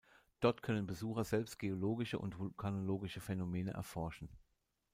Dort können Besucher selbst geologische und vulkanologische Phänomene erforschen.